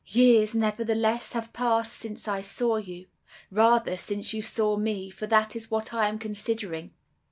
"'Years, nevertheless, have passed since I saw you, rather since you saw me, for that is what I am considering.